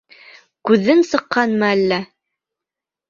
Күҙең сыҡҡанмы әллә?